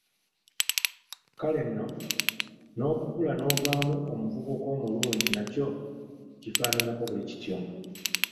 Kale nno n'okukula n'ovaamu omuvubuka omulungi nakyo kifaananako bwe kityo.